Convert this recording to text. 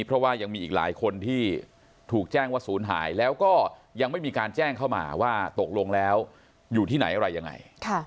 เพราะว่ายังมีอีกหลายคนที่ถูกแจ้งว่าศูนย์หายแล้วก็ยังไม่มีการแจ้งเข้ามาว่าตกลงแล้วอยู่ที่ไหนอะไรยังไง